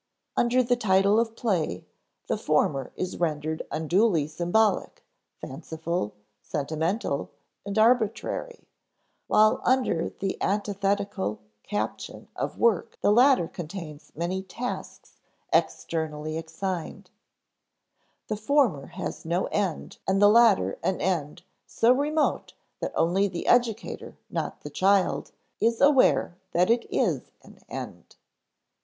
Under the title of play, the former is rendered unduly symbolic, fanciful, sentimental, and arbitrary; while under the antithetical caption of work the latter contains many tasks externally assigned. The former has no end and the latter an end so remote that only the educator, not the child, is aware that it is an end.